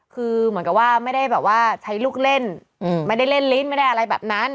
คือเหมือนกับว่าไม่ได้แบบว่าใช้ลูกเล่นไม่ได้เล่นลิ้นไม่ได้อะไรแบบนั้น